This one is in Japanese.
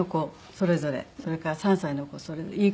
それぞれそれから３歳の子それぞれいい間隔で。